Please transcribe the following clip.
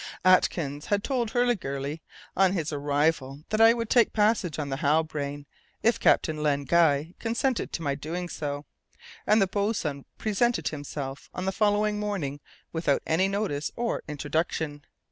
Atkins had told Hurliguerly on his arrival that I would take passage on the Halbrane, if Captain Len Guy consented to my doing so, and the boatswain presented himself on the following morning without any notice or introduction.